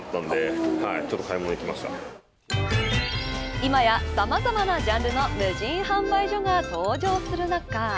今や、さまざまなジャンルの無人販売所が登場する中。